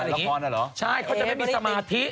ใช่เขาจะไม่มีสมาธิ